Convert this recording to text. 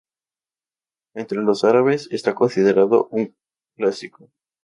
Entre los árabes, está considerado un clásico.